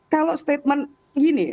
kalau statement gini